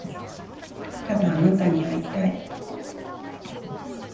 ただあなたに会いたい